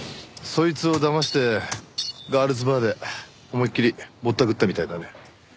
そいつをだましてガールズバーで思い切りぼったくったみたいだね。